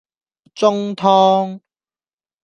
中湯